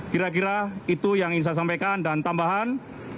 kira kira itu yang ingin saya sampaikan dan tambahan